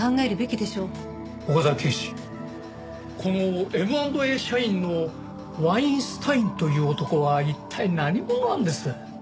岡崎警視このＭ＆Ａ社員のワインスタインという男は一体何者なんです？